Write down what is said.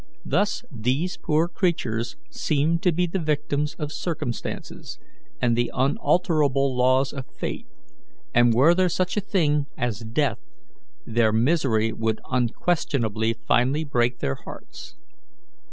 Thus these poor creatures seem to be the victims of circumstances and the unalterable laws of fate, and were there such a thing as death, their misery would unquestionably finally break their hearts.